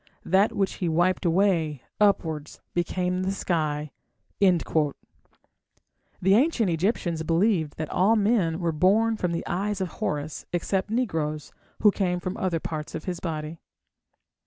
That which he wiped away, upwards, became the sky." The ancient Egyptians believed that all men were born from the eyes of Horus except negroes, who came from other parts of his body.